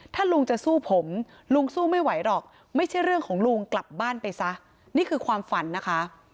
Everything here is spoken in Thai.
ถ้าลุงจะสู้ผมลุงสู้ไม่ไหวหรอกไม่ใช่เรื่องของลุงกลับบ้านไปซะนี่คือความฝันนะคะ